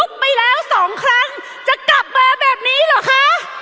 ไปแล้วสองครั้งจะกลับมาแบบนี้เหรอคะ